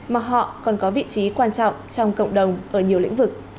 mà họ còn có vị trí quan trọng trong cộng đồng ở nhiều lĩnh vực